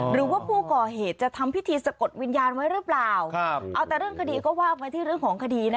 หรือว่าผู้ก่อเหตุจะทำพิธีสะกดวิญญาณไว้หรือเปล่าเอาแต่เรื่องคดีก็ว่าไปที่เรื่องของคดี